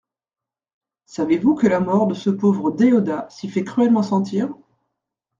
Savez-vous que la mort de ce pauvre Déodat s'y fait cruellement sentir ?